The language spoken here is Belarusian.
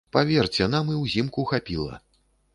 Паверце, нам і ўзімку хапіла.